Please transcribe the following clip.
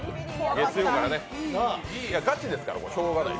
月曜から、ガチですからこれはしょうがない。